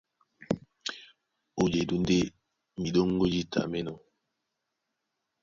Ó jedú ndé miɗóŋgó jǐta mí enɔ́.